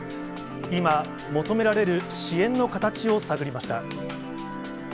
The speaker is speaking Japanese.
今、求められる支援の形を探りました。